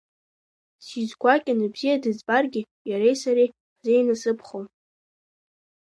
Сизгәакьаны бзиа дызбаргьы, иареи сареи ҳзеинасыԥхом.